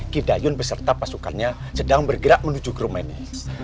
kidayun beserta pasukannya sedang bergerak menuju ke rumah ini